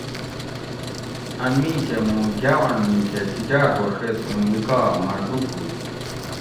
ان می کہ موں گاونڑ می کہۤ چیکاۤر ہوڛیت اوں نِکا مہ ڈوب ہو